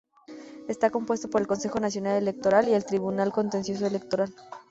Está compuesto por el Consejo Nacional Electoral y el Tribunal Contencioso Electoral.